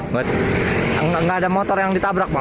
nggak ada motor yang ditabrak pak